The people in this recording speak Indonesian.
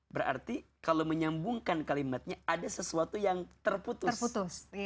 berarti kalau menyambungkan kalimatnya ada sesuatu yang terputus